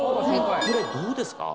これどうですか？